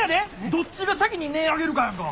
どっちが先に音ぇ上げるかやんか。